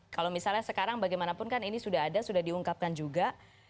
kalau misalnya sekarang bagaimanapun kan ini sudah ada sudah diungkapkan juga